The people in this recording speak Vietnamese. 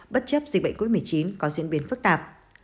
bất chấp dịch bệnh covid một mươi chín có diễn biến phức tạp